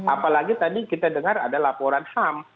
apalagi tadi kita dengar ada laporan ham